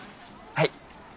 はい。